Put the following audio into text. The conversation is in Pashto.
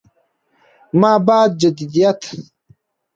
ما بعد جديديت